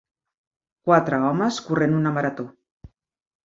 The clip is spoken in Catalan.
Quatre homes corrent una marató.